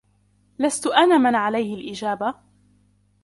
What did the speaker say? لست أنا من عليه الإجابة.